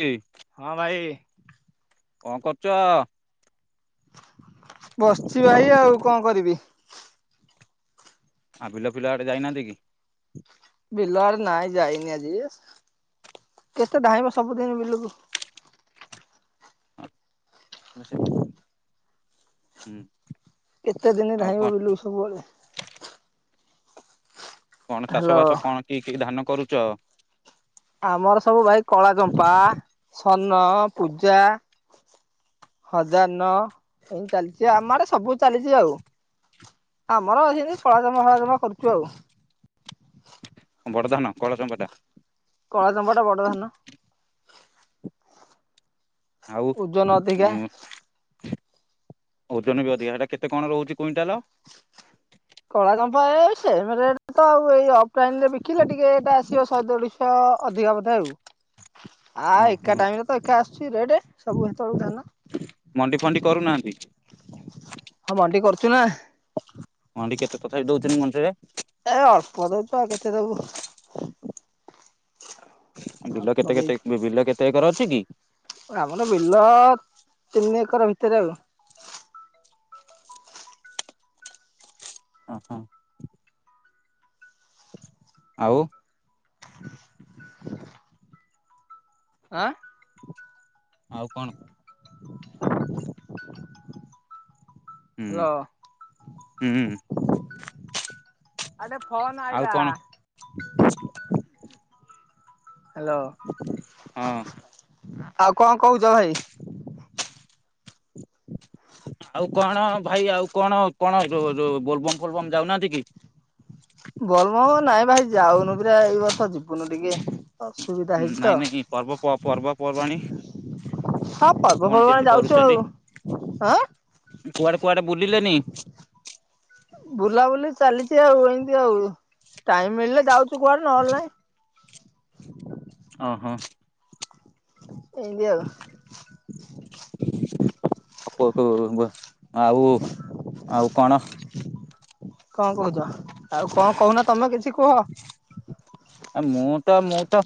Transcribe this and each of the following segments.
କି ହଁ ଭାଇ କଣ କରୁଚ? ବସିଛି ଭାଇ ଆଉ କଣ କରିବି। ଆଉ ବିଲ ଫିଲ ଆଡେ ଯାଇନାହାନ୍ତି କି? ବିଲ ଆଡେ ନାଇଁ ଯାଇନି ଆଜି କେତେ ଢାଇଁବ ସବୁଦିନ ବିଲକୁ। [unintelligible] କେତେ ଦିନ ଆଉ କଣ ଧାଇଁବ ବିଲୁ ସବୁବେଳେ। କଣ ଚାଷ ହ୍ୟାଲୋ ବାସ କଣ? କି କି ଧାନ କରୁଚ? ଆମର ସବୁ ଭାଇ କଳା ଚମ୍ପା, ସର୍ଣ୍ଣ, ପୂଜା। ହଜାର ନଅ ଏମିତି ଚାଲିଛି। ଅମଆଡେ ସବୁ ଚାଲିଛି ଆଉ ଆମର ଏଇନ୍ତି ସଳାଜମ ମହାଜମ କରୁଛୁ ଆଉ। ବଡ଼ଧାନ କଳାଚମ୍ପା ଟା? କଳାଚମ୍ପା ଟା ବଡ଼ ଧାନ। ଆଉ ଓଜନ [inaudible] ଅଧିକା। ଉଁ [inaudible] ଓଜନ ବି ଅଧିକା ସେଇଟା କେତେ କଣ ରହୁଛି କୁଇଣ୍ଟାଲ? କଳାଚମ୍ପା ଏ ସେମ୍ ରେଟ ତ ଆଉ। ଏଇ ଅଫଲାଇନ ରେ ବିକିଲେ ଟିକେ ରେଟ୍ ଆସିବ ଶହେ ଦେଡ଼ୁଶ। ଅଧିକା ବଧେ ଆଉ। ଆ ଏକା ଓହୋ ଟାଇମ ରେ ତ ଏକା ଆସୁଛି ରେଟ୍। ସବୁ ସେତେବେଳକୁ ଧାନ। ମଣ୍ଡି ଫଣ୍ଡି କରୁନାହାନ୍ତି? ହଁ ମଣ୍ଡି କରୁଛୁ ନା? ମଣ୍ଡି କେତେ ତଥାପି ଦଉଛନ୍ତି ମଣ୍ଡିରେ? ଏ ଅଳ୍ପ ଦଉଛୁ ଆଉ କେତେ ଦବୁ? ବିଲ ଅଳ୍ପ କେତେ କେତେ ଦେଇଛୁ ବିଲ କେତେ ଏକର ଅଛି କି? ଆମର ବିଲ ତିନି ଏକର ଭିତରେ ଆଉ। ହଁ ହଁ। ଆଉ ଆଁ ଆଉ କଣ? [inaudible] ହୁଁ ହ୍ୟାଲୋ ଆଉ ହୁଁ। ଆଉଗୋଟେ ଫୋନ ଆଉ ଆଇଲା। କଣ [inaudible] ହାଲୋ ହଁ ଆଉ କଣ କହୁଚ ଭାଇ? ଆଉ କଣ ଭାଇ ଆଉ କଣ କଣ ଯୋ ଯୋଉ ବୋଲବମ୍ ଫୋଲବମ୍ ଯାଉନାହାନ୍ତି କି? ବୋଲବମ୍ ନାଇଁ ଭାଇ ଯାଉନୁ ପରା ଏଇ ବର୍ଷ ଯିବୁନୁ ଟିକେ। ଅସୁବିଧା ହେଇଛି ତ। ନାଇଁ ନାଇଁ ପର୍ବ ପର୍ବପର୍ବାଣୀ ହଁ କଣ କେମିତି ପର୍ବପର୍ବାଣିରେ ଯାଉଚୁ କରୁଛନ୍ତି? ଆଉ ହଁ କୁଆଡେ କୁଆଡେ ବୁଲିଲେନି? ବୁଲାବୁଲି ଚାଲିଚି ଆଉ ଏମିତି ଆଉ ଟାଇମ ମିଳିଲେ ଯାଉଛୁ କୁଆଡେ ନହେଲେ ନାଇଁ। ହଁ ହଁ। ଏମିତି ଆଉ। କୋତୁ ଆଉ ଆଉ କଣ? କଣ କହୁଚ ଆଉ କଣ କହୁନ ତମେ କିଛି କୁହ? ଆ ମୁଁ ତ ମୁଁ ତ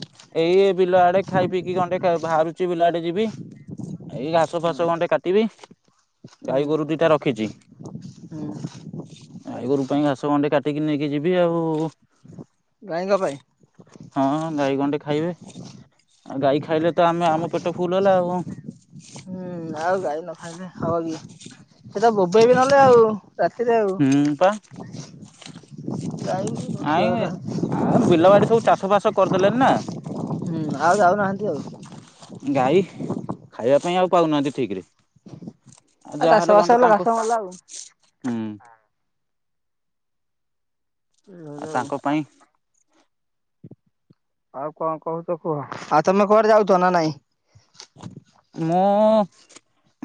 ଏଇ ବିଲ ଆଡେ ଖାଇ ପିଇକି ଗଣ୍ଡେ ଏବେ ବାହାରୁଚି ବିଲ ଆଡେ ଯିବି। ଏଇ ଘାସ ହଁ ଫାସ ଗଣ୍ଟେ କାଟିବି ହୁଁ ଗାଈ ଗୋରୁ ଦିଇଟା ରଖିଚି ହୁଁ ଗାଈଗୋରୁ ପାଇଁ ଘାସ ଗଣ୍ଡେ କାଟିକି ନେଇକି ଯିବି ଆଉ। ଗାଈଙ୍କ ପାଇଁ? ହଁ ଗାଈ ଗଣ୍ଡେ ଖାଇବେ ଆଉ ଗାଈ ଖାଇଲେ ତ ଆମେ ଆମ ପେଟ ଫୁଲୁ ହେଲା ଆଉ। ହୁଁ ଆଉ ଗାଈ ନ ଖାଇଲେ ହବ କି ସେ ତ ବୋବେଇବେ ନହେଲେ ଆଉ ରାତି ହୁଁ ପା ସେଥିପାଇଁ ଆଉ [inaudible] ଗାଈକୁ ସିଆଡ଼େ ରଖିବାଟା ସବୁ ଚାଷବାସ କରଦେଲେ ନି ନା? ହୁଁ ଆଉ ଯାଉନାହାନ୍ତି ଆଉ। ଗାଈ ଖାଇବା ପାଇଁ ଆଉ ପାଉନାହାନ୍ତି ଠିକ ରେ। ଆଉ ଚାଷ ଯାହାହେଲେ ବାସ ଗଣ୍ଡେ ହେଲେ ଘାସ ତାଙ୍କୁ ମଲା ଆଉ ହୁଁ ଆଉ ଆଉ ତାଙ୍କ ପାଇଁ ଆଉ କଣ କହୁଚ କୁହ ଆଉ ତମେ କୁଆଡେ ଯାଉଚ ନା ନାଇଁ? ମୁଁ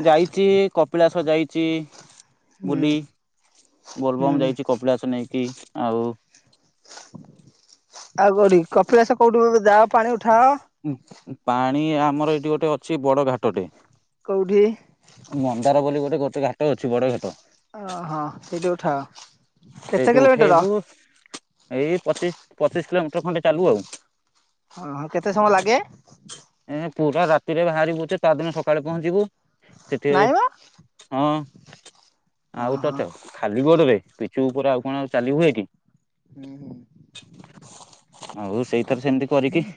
ଯାଇଚି କପିଳାସ ଯାଇଚି। ହୁଁ ବୁଲି ବୋଲବମ୍ ହୁଁ ଯାଇଚି କପିଳାସ ନେଇକି ଆଉ ଆଉ କୋଉଠିକି କପିଳାସ କୋଉଠୁ ଏ ଯାଅ ପାଣି ଉଠାଅ ପାଣି ଆମର ଏଇଠି ଗୋଟେ ଅଛି ବଡ ଘାଟଟେ କୋଉଠି? ମନ୍ଦାର ବୋଲି ଗୋଟେ ଗୋଟେ ଘାଟ ଅଛି ବଡ ଘାଟ। ଓହଁ ସେଇଟି ଉଠାଅ? କେତେ ସେଇଠୁ କିଲୋମିଟର? ଉଠେଇବୁ ଏଇ ପଚିଶି ପଚିଶି କିଲୋମିଟର ଖଣ୍ଡେ ଚାଲୁ ଆଉ। ହଁ କେତେ ସମୟ ଲାଗେ? ଏ ପୁରା ରାତିରେ ବାହାରିବୁଯେ ତା ଦିଇନ ସକାଳେ ପହଞ୍ଚିବୁ ସେଠି ନାଇଁ ମ ଯା ହଁ ଆଉ ଓହୋ ତ ଚ ଖାଲି ଗୋଡରେ ପିଚୁ ଉପରେ ଆଉ କଣ ଆଉ ଚାଲି ହୁଏ କି? ହୁଁ ହୁଁ ଆଉ ସେଇଥର ସେମିତି କରିକି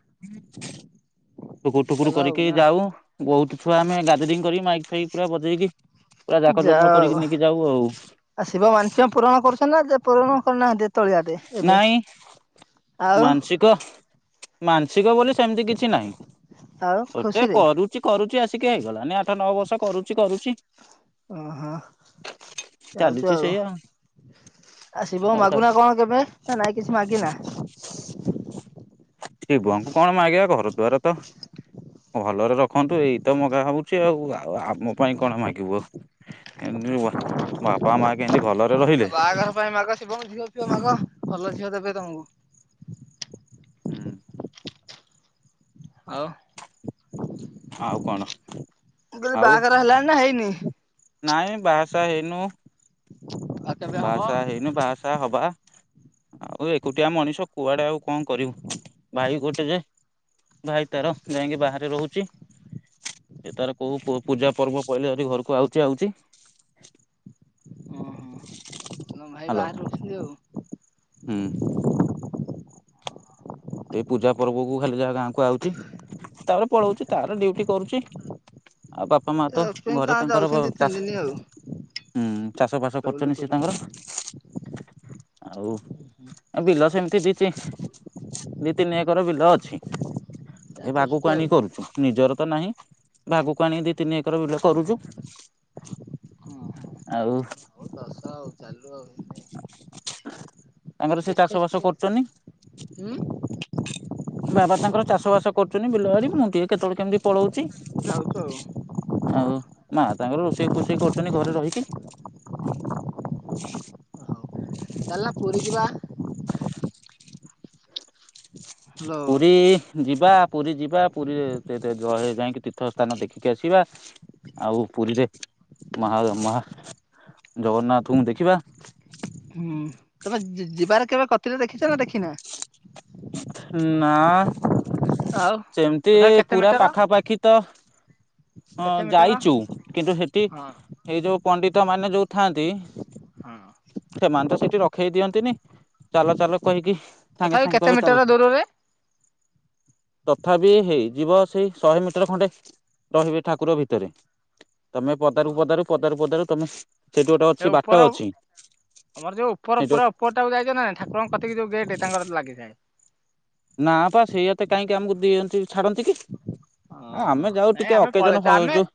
ଠୁକୁର ଠୁକୁର ଚାଲ ଆଉ କରିକି ନା ଯାଉ ବହୁତ ଛୁଆ ଆମେ ଗ୍ୟାଦରିଂ କରି ମାଇ ସେଇି ପୁରା ବଜେଇକି ପୁରା ଜାକଯ ମଙ୍ଗ କରିକି ନେଇକି ଯାଉ ଆଉ ଆ ଶିବ ମାନସିକ ପୂରଣ କରୁଛନ୍ତି ନା ଯେ ପୂରଣ କରୁନାହାନ୍ତି ଏତେବେଳ ଯାକେ? ନାଇଁ। ମାନସିକ ମାନସିକ ବୋଲି ସେମିତି କିଛି ନାହିଁ। ଆଉ ଖୁସି କରୁଚି କରୁଚି ଆସିକି ହେଇଗଲାଣି ଆଠ ନଅ ବର୍ଷ କରୁଚି କରୁଚି ଓହୋ ଚାଲିଛି ସେଇଆ। ଆ ଶିବଙ୍କୁ ଆଉ ତାକୁ ମାଗୁନା କଣ କେବେ ନା ନାଇଁ କିଛି ମାଗିନା? ଶିବଙ୍କୁ କଣ ମାଗିବା ଘରଦ୍ଵାରତ ଭଲରେ ରଖନ୍ତୁ ଏଇ ତ ମଗା ହଉଛି ଆଉ ଆଉ ଆମ ପାଇଁ କଣ ମାଗିବୁ ଆ ଏ ବାବା ମା କେମତି ଭଲରେ ରହିଲେ ଭାଇ ମାଗ ଶିବଙ୍କୁ ଝିଅ ଫିଅ ମାଗ ଭଲ ଝିଅ ଦେବେ ତମକୁ। ଆଉ ଆଉ କଣ ମୁଁ କହିଲି ଆଉ ବାହାଘର ହେଲାଣି ନା ହେଇନି ନାଇଁ ବାହାସାହା ହେଇନୁ ଆଉ କେବେ ହବ? ବାହା ସାହା ହେଇନୁ ବାହାସା ସାହା ହବା ଆଉ ଏକୁଟିଆ ମଣିଷ କୁଆଡେ ଆଉ କଣ କରିବୁ। ଭାଇ ଗୋଟେ ଯେ ଭାଇ ତାର ଯାଇକି ବାହାରେ ରହୁଛି। ସେ ତାର କୋଉ ପୁ ପୂଜା ପର୍ବ ପଇଲେ ଯଦି ଘରକୁ ଆଉଛି ଆଉଛି ତମ ଭାଇ ହ୍ୟାଲୋ ବାହାରେ ରହୁଛନ୍ତି ଆଉ। ହୁଁ। ଏଇ ପୂଜା ପର୍ବକୁ ଖାଲି ଯାହା ଗାଁକୁ ଆଉଚି। ତାପରେ ପଳଉଛି ତାର ଡିଉଟି କରୁଛି ଆଉ ବାପା ବାପା ମା ତ ଯାଉଛନ୍ତି ଘରେ ତାଙ୍କର ଘ ଯାଉଛନ୍ତି ଦି ଚାଁ ତିନି ଦିନ ଆଉ ଚାଷ ଫାସ ବୁଲାବୁଲି କରୁଛନ୍ତି ସେ କରି ତାଙ୍କର। ଆଉ ବିଲ ସେମିତି ଦେଇଛି। ଦି ତିନି ଏକର ବିଲ ଅଛି ଯା ତସୁଛୁ ଭାଗକୁ ଆଉ ଆଣି କରୁଛୁ। ନିଜର ତ ନାହିଁ ଭାଗକୁ ଆଣିକି ଦି ତିନି ଏକର ବିଲ କରୁଛୁ। ଆଉ ହଉ ଦସ ଆଉ ଚାଲୁ ଆଉ। ତାଙ୍କର ସେ ଦୁଃଖେ ଚାଷ ବାସ ସୁଖେ କରୁଚନି ହୁଁ ବାବା ତାଙ୍କର ଚାଷ ବାସ କରୁଛନ୍ତି ବିଲ ବାଡି। ମୁଁ ଟିକେ କେତେବେଳେ କେମିତି ପଳଉଛି। ଯାଉଚୁ ଆଉ ଆଉ ମା ତାଙ୍କର ରୋଷେଇ ଫୋଷେଇ କରୁଛନ୍ତି ଘରେ ରହିକି। ହଉ। [inaudible] ଚାଲୁନ ପୁରୀ ଯିବା। ହାଲୋ ପୁରୀ ଯିବା ପୁରୀ ଯିବା ପୁରୀ ଯାଇକି ଯ ଯ ଯଇ ତୀର୍ଥ ସ୍ଥାନ ଦେଖିକି ଆସିବା। ଆଉ ପୁରୀରେ ମହା ମହା ଜଗନ୍ନାଥଙ୍କୁ ଦେଖିବା। ହୁଁ। କେବେ ଯି ଯି ଯିବାରେ କେବେ କତିରେ ଦେଖିଛ ନା ଦେଖିନା? ନା। ଆଉ ସେମିତି ତଥାପି କେତେ ପୁରା ମିଟର ପାଖାପାଖି ତ ହଁ କେତେ ମିଟର ଯାଇଛୁ କିନ୍ତୁ ହେଠୀ ହଁ ହେଇ ଯୋଉ ପଣ୍ଡିତ ମାନେ ଯୋଉଥାନ୍ତି ହଁ। ସେମାନେ ତ ସେଇଠି ରଖେଇ ଦିଅନ୍ତିନି ଚାଲ ଚାଲ କହିକି ତଥାପି କେତେ ମିଟ ଲ। ତଥାପି ହେଇଯିବ ସେଇ ଶହେ ମିଟର ଖଣ୍ଡେ ରହିବେ ଠାକୁର ଭିତରେ। ତମେ ପଦାରୁ ପଦାରୁ ପଦାରୁ ପଦାରୁ ତମେ ସେଇଠୁ ଗୋଟେ ଏ ଅଛି ଉପର ବାଟ ଅଛି ସେଇଠୁ ଓପରଟାକୁ ଯାଇଛ ନା ନାଇ ଠାକୁରଙ୍କ କତିକି ଯଉ ଗେଟ ତାଙ୍କର ଲାଗିଥାଏ? ନା ପା ସେଇଆତେ କାହିଁକି ଆମକୁ ଦିଅନ୍ତି ଛାଡ଼ନ୍ତି କି। ଆ ଓହୋ ଆମେ ଯାଉ ନାଇଁ ଟିକେ ଆମେ ଅକେଜନ ପଳେଇଛୁ ହ ଆମେ ଯୋଉ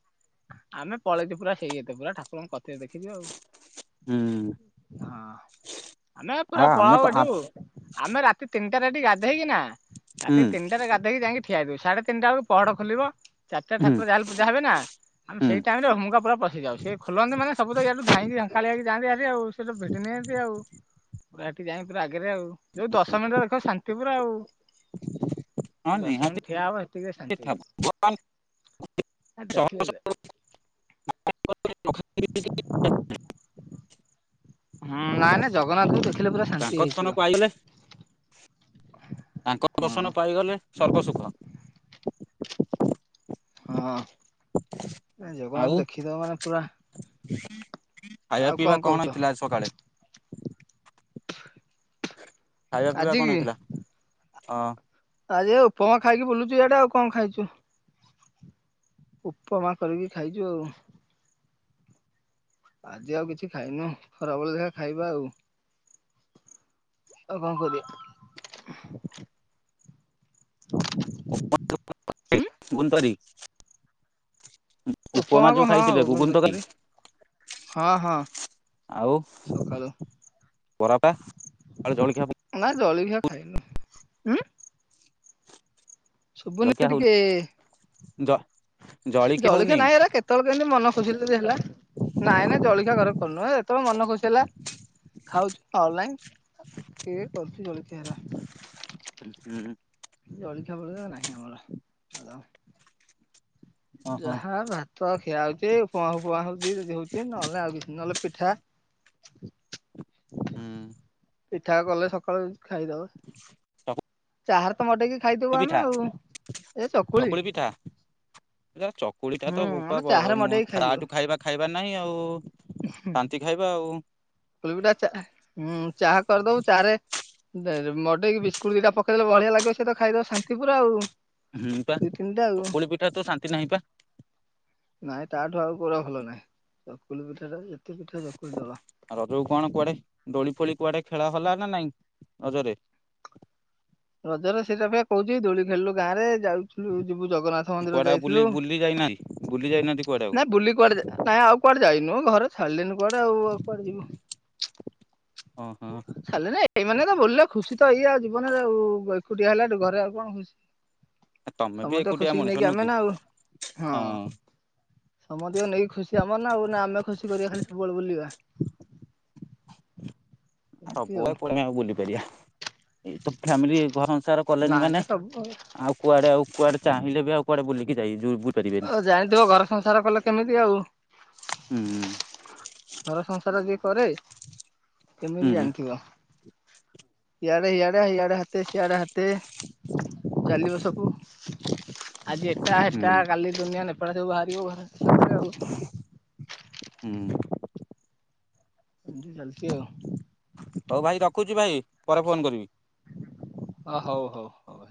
ଆମେ ପଳେଇଛୁୁ ପୁରା ସେଇଆତେ ପୁରା ଠାକୁରଙ୍କ କତ୍ ତେ ଦେଖିବି ଆଉ, ହୁଁ ହଁ ଆମେ ଆ ପୁରା ପଳା ଆମେ ହବ ଏଠୁ। ହୁଁ ଆମେ ରାତି ତିନିଟା ଟିକେ ଗାଧେଇକି ନା, ରାତି ତିନିଟାରେ ଗାଧେଇକି ଯାଇକି ଠିଆଇ ଦବୁ ସାଢେ ତିିଟା ବେକୁ ପହଡ ଖୋଲିବ। ଚାରିଟା ହୁଁ ଠାକୁର ଯାହାଲେ ପୂଜାବେ ନା ଆମ ହୁଁ ସେଇ ଟାଇ ରେ ହୁଙ୍ଗା ପୁରା ପଶିଯାଉ ସେ ଖୋଲନ୍ତି ମାନେ ସବୁ ତ ଇାଠୁ ଧାଇ ଖାଳି ହେକି ଯାଆନ୍ତି ଆ ଆଉ ସେଇଟା ଭିଡ଼ି ନିଅନ୍ତି ଆଉ। ପୁରାଠି ଯାଇ ପୁରା ଆଗରେ ଆଉ, ଯୋଉ ଦଶ ମିନିଟ ଦେଖ ଶାନ୍ତିପୁର ଆଉ। ହଁ [inaudible] ଦଶ ନିହାତି ମିନିଟ୍ ଠିଆ ସେତିକିରେ ଶାନ୍ତି। ଆ [inaudible] ଦେଖିଲେ [inaudible] ହୁଁ ନାଇଁ ନାଇ ଜଗନ୍ନାଥ ତାଙ୍କ ଦର୍ଶନ ପାଇଗଲେ, ତାଙ୍କ ହଁ ଦର୍ଶନ ପାଇଗଲେ। ସର୍ବସୁଖ। ହଁ, ଆଉ ଜଗନ୍ନାଥ ଦେଖିଦବ ମାନେ ପୁରା ଖାଇବା ଆଉ ପିଇବା କହୁଛ କଣ ହେଇଥିଲା ସକାଳେ? ଖାଇବା ପିଇବା ଆଜି କଣ କି? ହେଇଥିଲା? ହଁ। ଆଜି ଏ ଉପମା ଖାଇକି ବୁଲୁଛୁ ଆଟା ଆଉ କଣ ଖାଇଛୁ। ଉପମା କରିକି ଖାଇଛୁ ଆଉ। ଆଜି ଆଉ କିଛି ଖାଇନୁ। ଖରାବେଳେ ଦେଖା ଖାଇବା ଆଉ। [unintelligible] ଉଁ [unintelligible] ଉପମା ଉପମାକୁ ଯୋଉ ହଁ ଖାଇଥିଲେ ଘୁଗୁନି ତରକାରୀ ହଁ ହଁ [unintelligible] [inaudible] ଆଉ ସକାଳୁ ବରାପା ଜଳଖିଆ ନା ଜଳଖିଆ ଖାଇଲୁ ହୁଁ ଜଳଖିଆ ସୁୁଭୁନିଟିକ। ହଉନି [unintelligible] ଜଳିଖିଆ ଜଳଖଆ ହଉନି ନାାଇଁ ହେରା କେତେବେଳେ କେମିତି ମନ ଖୋସିିଲ ହେଲା, ନାଇଁ ନାଇ ଜଳଖଆ ଘର କରୁନୁହଁ, ଯେତେବେଳେ ମନ ଖୁସି ହେଲା ଖାଉଛୁ। ଅନଲାଇନ କିଏ କରୁଛୁ ଜଳହରା। ହ ହ। ଜଳିଖା ପଳ ନାହିଁ ଆମର ଆ ଓହୋ ଯାହା ଭାତ ଖିଆ ହଉଛି ଫୁଆ ଫୁଆଁ ହଉଛିଦି ହଉଛି, ନହେଲେ ଆଉ କିଛି ନହେଲେ ପିଠା ହୁଁ। ପିଠା କଲେ ସକାଳୁ ଖାଇଦବା। ଚକୁଳି ଚାହାର ତ ମଡେଇକି ଖାଇଦବୁ ଆମେ, ପିଠା ଆଉ ଏ ଚକୁଳି। ଚକୁଳି ଟା ତ ହୁଁ ବୋପା ଆମେ ବ ଚାହାରେ ମଡେଇକି ଖା ଖାଇଦଉ। ଟୁ ଖାଇବା। ଖାଇବା ନାହିଁ ଆଉ, ଶାନ୍ତି ଖାଇବା ଆଉ। ଏଉଡ଼ା ଚା ହୁଁ ଚା କରିଦବୁ ଚା ରେ ମଡେଇକି ବିସ୍କୁଟ ଦି ଟା ପକେଇ ବଢ଼ିଆ ଲାଗିବ ସେ ତ ଖାଇଦବ ଶାନ୍ତି ପୁରା। ହୁଁ ପା ଦି ତିନିଟା ଆଉ ଚକୁଳି ପିଠା ତ ଶାନ୍ତି ନାହିଁ ପା। ନାଇଁ ତାଠୁ ଆଉ କୋଉରା ଭଲନାହିଁ। ଚକୁଳି ପିଠା ଟା ବି ଯେତେ ପିଠା ଚକୁଳି ତଳ। ରଜକୁ କଣ କୁଆଡେ ଦୋଳି ଫୋଳି କୁଆଡ଼େ ଖେଳ ହଲାନା ନାଇଁ ରଜରେ। ରଜରେ ସେଇଟା ଭା କହୁଛି ଦୋଳି ଖେଳିଲୁ ଗାଁ ରେ ଯାଉଥିଲୁ ଯିବୁ ଜଗନ୍ନା ଥ ମନ୍ଦିର କୁଆଡେ ଆଉ ବୁଲି ଯାଇଥିଲୁ। ବୁଲି ଯାଇନାହାନ୍ତି ବୁଲି ଯାଇନାହାନ୍ତି କୁଆଡେ ଆଉ ନା ବୁଲି କୁଆଡ଼େ ଯା ନାଇଁ ଆଉ କୁଆଡ଼େ ଯାଇନୁ ଘରେ ଛାଡ଼ିଲେ ନି। ବଡେ ହୋଉ ଆଉ କୁଆଡ଼େ ଯିବ। ଓହୋ ସାରିଲେନି ଏଇ ମାନେ ତ ବୋଲ ଖୁସି ତ ଏଇଆ ଜୀବନ। ଆଉ ଗଇ ଖୁଟିଆ ହେଲାଠୁ ଘରେ ଆଉ କଣ ଖୁସି। ତମେ ବି ସମସ୍ତେ ଏକୁଟିଆ ଖୁସିିକି ମଣିଷ ନେଇକି ନୁହଁ ଆମେ କି ନା ଆଉ ହଁ। ସମତିକ ନେଇ ଖୁସି ଆମର ନା ଆଉ ନା ଆମେ ଖୁସି କରିବା ଖାଲି ସବୁବେଳେ ବୁଲିବା। ଏମିତି ଆଉ। ସବୁଆ କୁଆଡ଼େ ଆମେ ବୁଲିପାରିବା। ଏ ତ ଫ୍ୟାମିଲି ଘର ଅନସାର କଲେନି ନାଇଁ ନା ମାନେ। ସବୁ ଆଉ କୁଆଡ଼େ ଆଉ କୁଆଡ଼େ ଚାହିଁଲେବି ଆଉ କୁଆଡ଼େ ବୁଲିକି ଯାଇ ଯୁ ବୁ ଓ ଜାଣିଥିବ ଘର ସଂସାର କଲେ କେମିତି ଆଉ ହୁଁ। ଘର ସଂସାର ଯିଏ କରେ ହୁଁ କେମିତି ହୁଁ ଜାଣିଥିବ? ଇଆଡେ ଇଆଡେ ଇଆଡେ ହାତେ ସିଆଡ଼େ ହାତେ। ଚାଲିବ ସବୁ। ଆଜି ଏଟା ହୁଁ ହେଟା କାଲି ଦୁନିଆ ନେଫେଡା ସବୁ ବାହାରିବ ଘରେ ଆଉ ହୁଁ। ଚାଲିଚି ଆଉ ହଉ ଭାଇ ରଖୁଛି ଭାଇ ପରେ ଫୋନ୍ କରିବି। ଆ ହଉ ହଉ ହଉ।